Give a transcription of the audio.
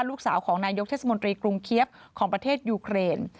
ลูกสาวของนายกเทศมนตรีกรุงเคี๊ยบของประเทศยูเครน